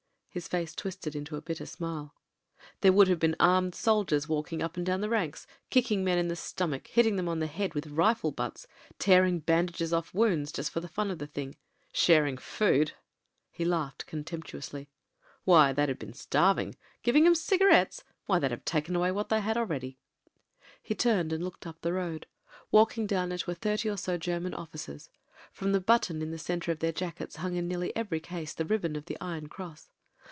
His face twisted into a bitter smile. "There would have been armed soldiers walking up and down the ranks, kicking men in the stomach, hitting them on the head with rifle butts, tearing bandages off wounds — just for the fmi of the thing. Sharing food !"— ^he laughed ccMitemptu ously — ^"why, they'd have been starving. Giving 'em ON THE STAFF 295 cigarettes! — ^why, they'd have taken away what they had already/' He turned and looked up the road. Walking down it were thirty or so German officers. From the button in the centre of their jackets hung in nearly every case the ribbon of the Iron Cross.